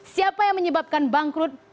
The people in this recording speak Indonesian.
siapa yang menyebabkan bangkrut